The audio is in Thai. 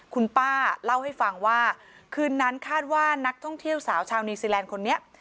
คุณป้าเล่าให้ฟังว่าคืนนั้นคาดว่านักท่องเที่ยวสาวชาวนิวซีแลนด์คนนี้